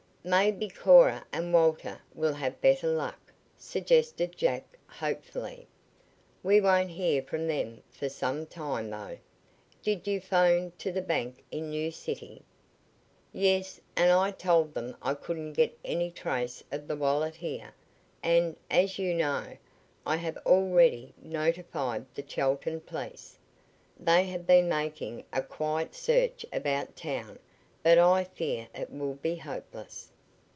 "Maybe Cora and Walter will have better luck," suggested Jack hopefully. "We won't hear from them for some time, though. Did you 'phone to the bank in New City?" "Yes. I told them I couldn't get any trace of the wallet here, and, as you know, I have already notified the Chelton police. They have been making a quiet search about town, but I fear it will be hopeless."